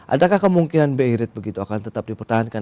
adakah kemungkinan bi rate begitu akan tetap dipertahankan